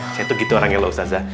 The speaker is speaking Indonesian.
saya tuh gitu orangnya loh saza